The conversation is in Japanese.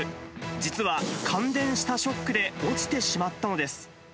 実は、感電したショックで落ちてしまったのです。